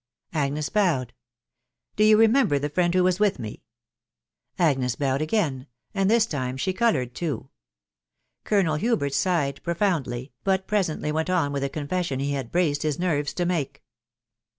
Agnes bowed. " Do you remember the friend who was with me ?" Agnes bowed again, and this time she coloured too* Colonel Hubert sighed profoundly, but presently went on with the confession he had braced his nerves to make.